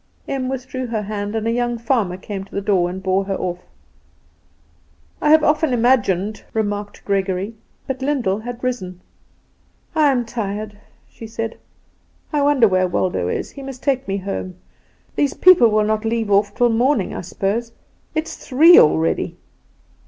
Em withdrew her hand, and a young farmer came to the door and bore her off. "I have often imagined," remarked Gregory but Lyndall had risen. "I am tired," she said. "I wonder where Waldo is; he must take me home. These people will not leave off till morning, I suppose; it is three already."